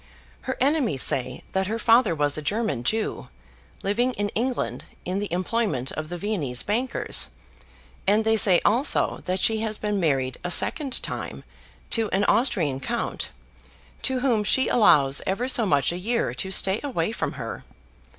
Her enemies say that her father was a German Jew, living in England, in the employment of the Viennese bankers, and they say also that she has been married a second time to an Austrian Count, to whom she allows ever so much a year to stay away from her.